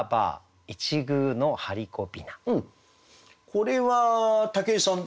これは武井さん